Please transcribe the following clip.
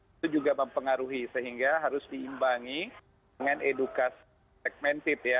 itu juga mempengaruhi sehingga harus diimbangi dengan edukasi segmented ya